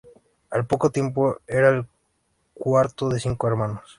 Al poco tiempo, era el cuarto de cinco hermanos.